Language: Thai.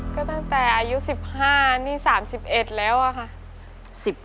ก็ตั้งแต่อายุ๑๕นี่๓๑แล้วอะค่ะ